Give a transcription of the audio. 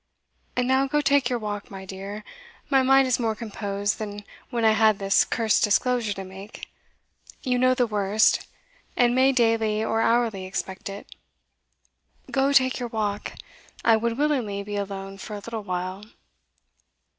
And now go take your walk, my dear my mind is more composed than when I had this cursed disclosure to make. You know the worst, and may daily or hourly expect it. Go take your walk I would willingly be alone for a little while."